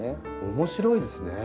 面白いですね。